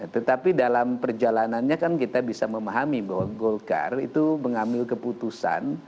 tetapi dalam perjalanannya kan kita bisa memahami bahwa golkar itu mengambil keputusan